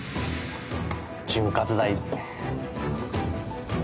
潤滑剤ですね。